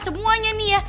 semuanya nih ya